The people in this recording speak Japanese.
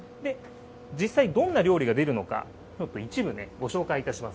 実際、どんな料理が出るのか、ちょっと一部ね、ご紹介いたします。